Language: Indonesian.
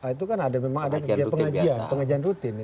itu kan ada pengajian rutin